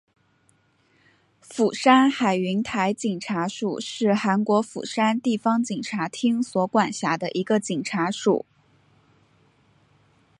釜山海云台警察署是韩国釜山地方警察厅所管辖的一个警察署。